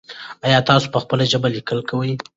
ایا تاسو په خپله ژبه لیکل کوئ؟